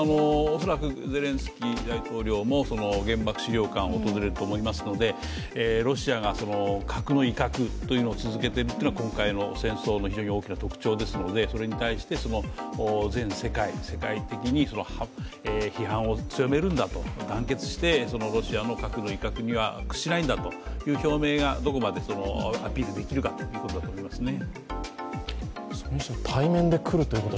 恐らくゼレンスキー大統領も原爆資料館を訪れると思いますのでロシアが核の威嚇を続けているのが今回の戦争の非常に大きな特徴ですので、それに対して全世界、世界的に批判を強めるんだと、団結してロシアの核の威嚇には屈しないんだという表明がどこまでアピールできるかということになりますね。